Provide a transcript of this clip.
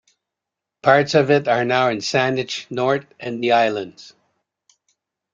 Parts of it are now in Saanich North and the Islands.